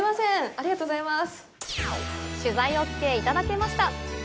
ありがとうございます。